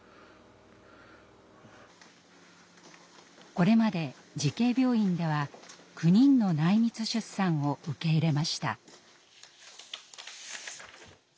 これまで慈恵病院では９人の内密出産を受け入れました。